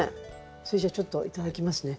それじゃあちょっといただきますね。